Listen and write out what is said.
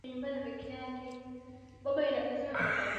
kujikinga dhidi ya wanyama wanaoweza kumfanya nyama